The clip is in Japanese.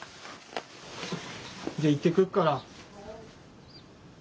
じゃあ行ってくっから。